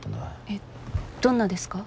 えっどんなですか？